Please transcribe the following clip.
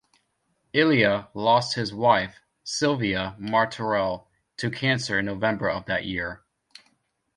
Illia lost his wife, Silvia Martorell, to cancer in November of that year.